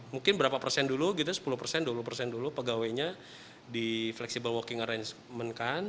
mungkin berapa persen dulu gitu sepuluh persen dua puluh persen dulu pegawainya di flexible walking arrangement kan